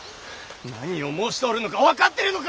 何を申しておるのか分かってるのか！